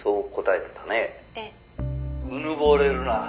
「ええ」「うぬぼれるな」